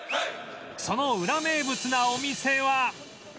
そのウラ名物なお店は